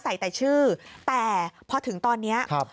ใส่แต่ชื่อแต่พอถึงตอนนี้ครับ